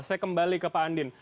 saya kembali ke pak andin